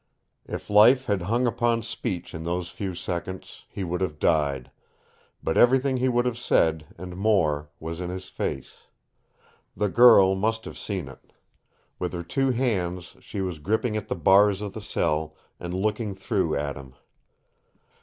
If life had hung upon speech in those few seconds, he would have died, but everything he would have said, and more, was in his face. The girl must have seen it. With her two hands she was gripping at the bars of the cell and looking through at him.